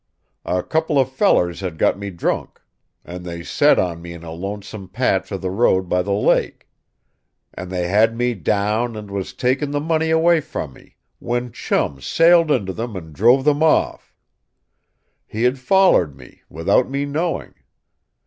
A couple of fellers had got me drunk. And they set on me in a lonesome patch of the road by the lake; and they had me down and was taking the money away from me, when Chum sailed into them and druv them off. He had follered me, without me knowing.